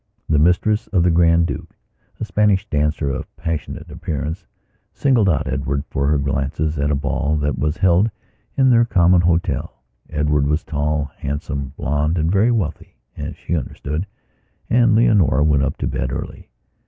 The mistress of the Grand Dukea Spanish dancer of passionate appearancesingled out Edward for her glances at a ball that was held in their common hotel. Edward was tall, handsome, blond and very wealthy as she understoodand Leonora went up to bed early.